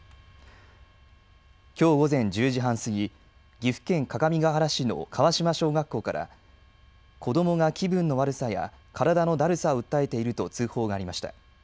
きょう午前１０時半過ぎ、岐阜県各務原市の川島小学校から子どもが気分の悪さや体のだるさを訴えていると通報がありました。